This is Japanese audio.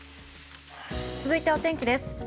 続いてお天気です。